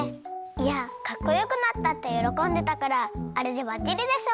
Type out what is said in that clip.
いやかっこよくなったってよろこんでたからあれでバッチリでしょ！